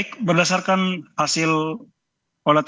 ini adalah potongan kayu yang dikumpulkan oleh tkp